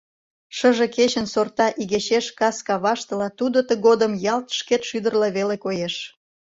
Шыже кечын сорта игечеш кас каваштыла тудо тыгодым ялт шкет шӱдырла веле коеш.